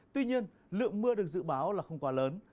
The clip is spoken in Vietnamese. tuy nhiên lượng mưa được dự báo là không quá lớn